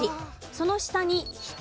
その下に「人」